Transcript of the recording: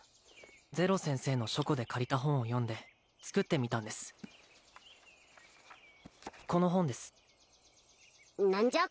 ゼロ先生の書庫で借りた本を読んで作ってみたんですこの本です何じゃ？